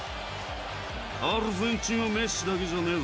アルゼンチンのメッシだけじゃねえぞ。